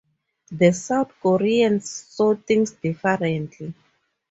The South Koreans saw things differently.